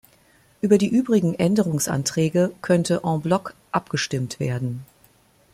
Über die übrigen Änderungsanträge könnte en bloc abgestimmt werden.